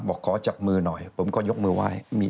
บอกขอจับมือหน่อยผมก็ยกมือไว้